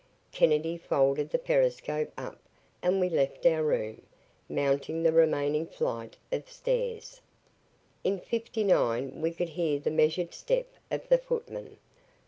Kennedy folded the periscope up and we left our room, mounting the remaining flight of stairs. In fifty nine we could hear the measured step of the footman.